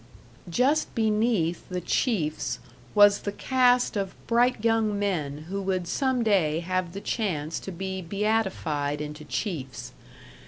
Just beneath the chiefs was the caste of bright young men who would some day have the chance to be beatified into chiefs.